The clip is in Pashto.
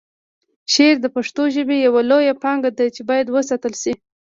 شعر د پښتو ژبې یوه لویه پانګه ده چې باید وساتل شي.